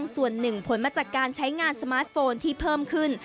ส่วนหนึ่งผลมาจากการใช้งานสมาร์ทโฟนที่เพิ่มขึ้น